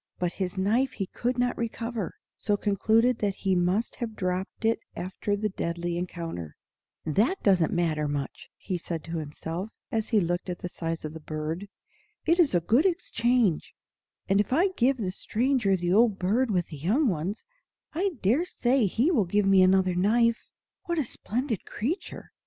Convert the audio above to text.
But his knife he could not recover, so concluded that he must have dropped it after the deadly encounter. "That doesn't matter much," said he to himself, as he looked at the size of the bird. "It is a good exchange; and if I give the stranger the old bird with the young ones, I dare say he will give me another knife. What a splendid creature!